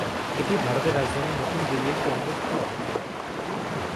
এটি ভারতের রাজধানী নতুন দিল্লির কেন্দ্রস্থলে অবস্থিত।